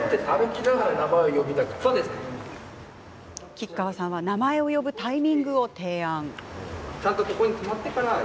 吉川さんは名前を呼ぶタイミングを提案。